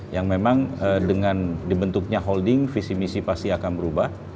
yang memang dengan dibentuknya holding visi misi pasti akan berubah